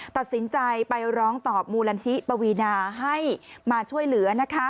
ตัดสินใจไปร้องตอบมูลนิธิปวีนาให้มาช่วยเหลือ